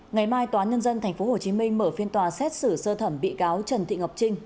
ngày mai tòa nhân dân tp hcm mở phiên tòa xét xử sơ thẩm bị cáo trần thị ngọc trinh